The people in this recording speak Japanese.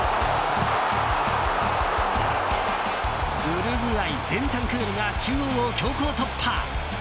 ウルグアイベンタンクールが中央を強行突破。